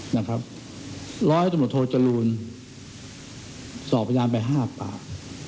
นะครับร้อยโดโทษจรุนสอบพญานไป๕ปาก